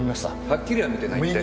はっきりは見てないって。